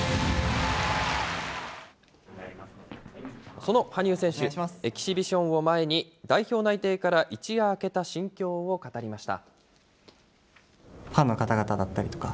その羽生選手、エキシビションを前に、代表内定から一夜明けた心境を語りました。